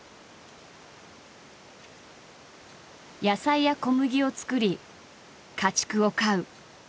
野菜や小麦を作り家畜を飼う。